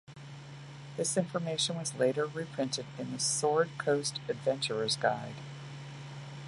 This information was later reprinted in the "Sword Coast Adventurer's Guide".